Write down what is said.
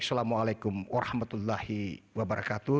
assalamualaikum warahmatullahi wabarakatuh